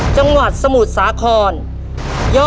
สวัสดีครับ